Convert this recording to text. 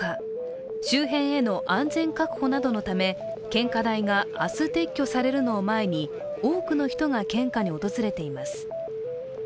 周辺への安全確保などのため、献花台が明日撤去されるのを前に、多くの人が献花に訪れています。